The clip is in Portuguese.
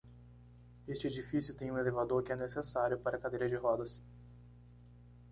Este edifício tem um elevador que é necessário para cadeiras de rodas.